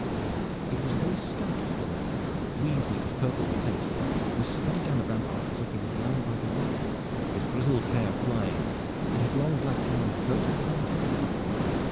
It was a very stout little man, wheezy and purple with haste, who scudded down the rampart as if he were blown by the wind, his grizzled hair flying and his long black gown floating behind him.